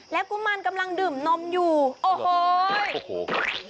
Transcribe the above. แล้วกุมารกำลังดื่มนมอยู่โอ้โฮย